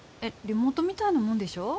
リモートみたいなもんでしょ？